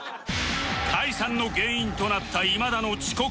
解散の原因となった今田の遅刻癖